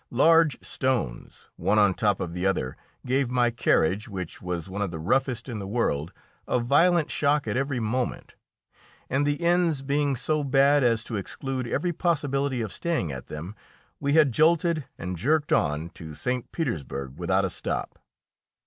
Large stones, one on top of the other, gave my carriage, which was one of the roughest in the world, a violent shock at every moment. And the inns being so bad as to exclude every possibility of staying at them, we had jolted and jerked on to St. Petersburg without a stop.